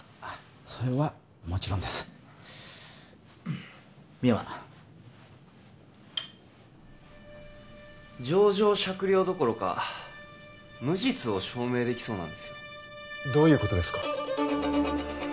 それはもちろんです深山情状酌量どころか無実を証明できそうなんですよどういうことですか？